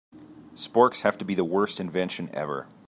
Sporks have to be the worst invention ever.